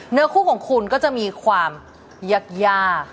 เนื้อคู่ของคุณก็จะมีความยาก